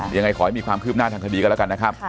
ยังไงขอให้มีความคืบหน้าทางคดีกันแล้วกันนะครับ